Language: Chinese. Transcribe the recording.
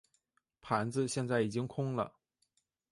盘子现在已经空了。